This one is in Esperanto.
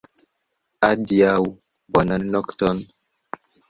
Adiaŭ! Bonan nokton!